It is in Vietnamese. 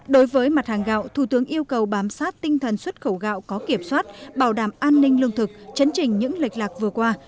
đối với mặt hàng gạo thủ tướng yêu cầu bám sát tinh thần xuất khẩu gạo có kiểm soát bảo đảm an ninh lương thực chấn trình những lệch lạc vừa qua